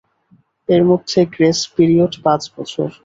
এর মধ্যে grace period পাঁচ বছর।